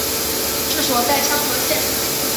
治所在牂牁县。